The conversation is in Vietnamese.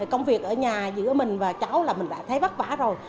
công việc ở nhà giữa mình và cháu là mình đã thấy vất vả rồi